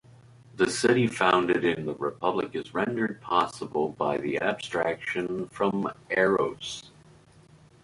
The city founded in the "Republic" "is rendered possible by the abstraction from eros.